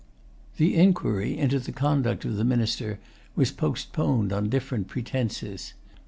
The inquiry into the conduct of the minister was postponed on different pretences.